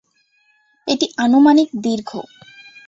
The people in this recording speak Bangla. এটি আনুমানিক দীর্ঘ।